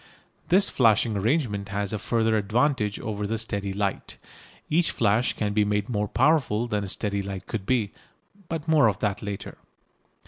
This flashing arrangement has a further advantage over the steady light. Each flash can be made more powerful than a steady light could be. But of that more later.